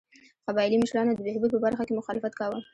قبایلي مشرانو د بهبود په برخه کې مخالفت کاوه.